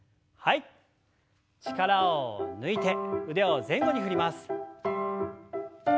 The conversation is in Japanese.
力を抜いて腕を前後に振ります。